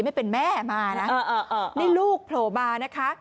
ไม่เป็นแม่มานะนี่ลูกโผล่มานะคะ